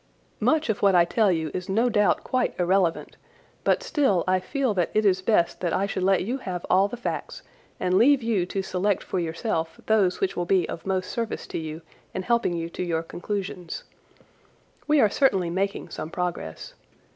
Much of what I tell you is no doubt quite irrelevant, but still I feel that it is best that I should let you have all the facts and leave you to select for yourself those which will be of most service to you in helping you to your conclusions. We are certainly making some progress.